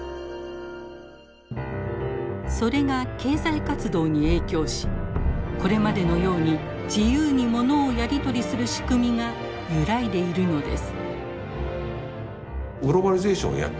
それが経済活動に影響しこれまでのように自由にものをやり取りする仕組みが揺らいでいるのです。